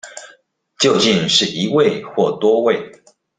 究竟是一位或多位